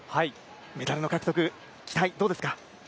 メダルの獲得の期待どうですか？